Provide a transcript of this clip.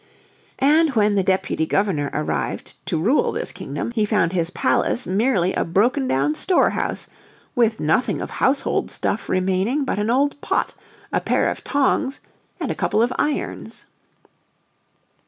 And when the deputy governor arrived to rule this kingdom he found his "palace" merely a broken down store house with "nothing of household stuff remaining but an old pot, a pair of tongs and a couple of irons."